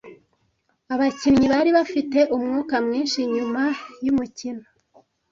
Abakinnyi bari bafite umwuka mwinshi nyuma yumukino.